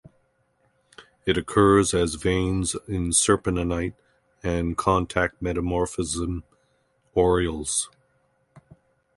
It occurs as veins in serpentinite and contact metamorphism aureoles.